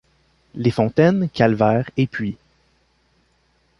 Les fontaines, calvaires et puits.